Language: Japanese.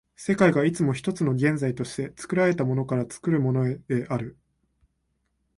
世界がいつも一つの現在として、作られたものから作るものへである。